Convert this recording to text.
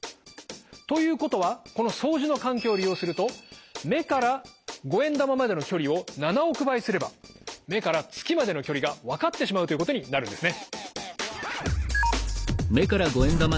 ということはこの相似の関係を利用すると目から５円玉までの距離を７億倍すれば目から月までの距離が分かってしまうということになるんですね！